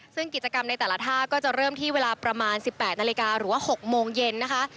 ซึ่งกิจกรรมในแต่ละท่าก็จะเริ่มที่เวลาประมาณ๑๘นาฬิกาหรือว่า๖โมงเย็นนะคะ